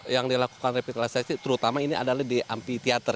yang dilakukan revitalisasi terutama ini adalah di amphitheater